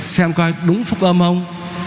xem coi đúng phúc âm không